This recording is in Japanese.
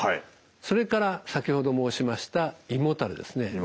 それから先ほど申しました胃もたれですね。